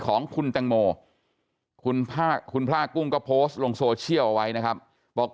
ของคุณแตงโมคุณพระกุ้งก็โพสต์ลงโซเชียลเอาไว้นะครับบอก